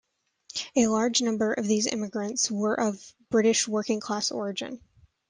A large number of these immigrants were of British working-class origin.